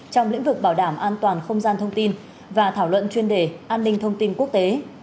trong lĩnh vực bảo đảm an toàn không gian thông tin và thảo luận chuyên đề an ninh thông tin quốc tế